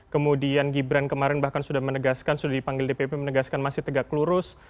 kemudian gibran kemarin bahkan sudah menegaskan sudah dipanggil dpp menegaskan masih tegak lurus